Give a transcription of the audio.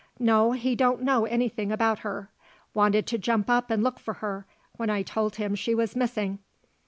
No, he don't know anything about her. Wanted to jump up and look for her when I told him she was missing.